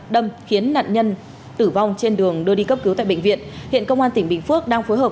đâm khiến nạn nhân tử vong trên đường đưa đi cấp cứu tại bệnh viện hiện công an tỉnh bình phước đang phối hợp